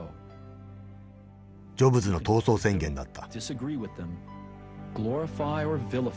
ジョブズの闘争宣言だった。